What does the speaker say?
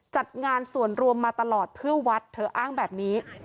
จัดงานส่วนรวมมาตลอดเพื่อวัดเธออ้างแบบนี้